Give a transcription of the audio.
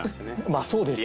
まあそうですね。